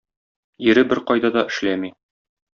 Ире беркайда да эшләми